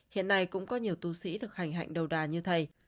hiện nay cũng có nhiều tù sĩ thực hành hành đầu đà như thầy